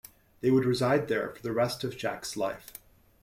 They would reside there for the rest of Jack's life.